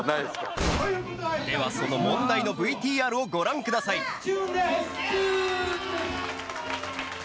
［ではその問題のＶＴＲをご覧ください］